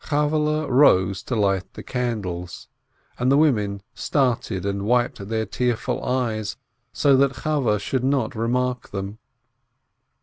Chavvehle rose to light the candles, and the women started and wiped their tearful eyes, so that Chavveh should not remark them.